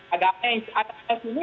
agamanya yang seadat seadat ini